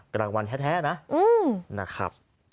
ก็รางวัลแท้นะ